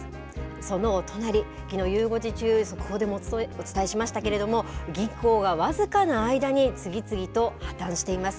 そのお隣、きのう、ゆう５時中、速報でお伝えしましたけれども、銀行が僅かな間に次々と破綻しています。